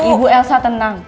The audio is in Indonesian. ibu elsa tenang